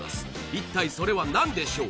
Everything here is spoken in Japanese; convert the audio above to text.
一体それは何でしょう？